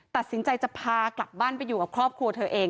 ตัดสินใจจะพากลับบ้านไปอยู่กับครอบครัวเธอเอง